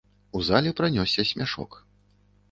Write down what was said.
У зале пранёсся смяшок.